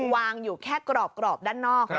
วางอยู่แค่กรอบด้านนอก